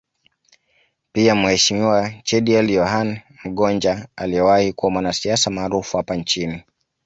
Pia Mheshimiwa Chediel Yohane Mgonja aliyewahi kuwa mwanasiasa maarufu hapa nchini